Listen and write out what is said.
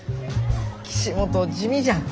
岸本地味じゃん。